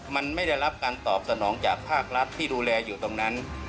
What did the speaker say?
มันไม่ได้รับการตอบสนองจากภาครัฐที่ดูแลอยู่ตรงนั้น